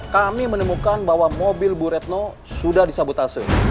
kami menemukan bahwa mobil bu retno sudah disabotase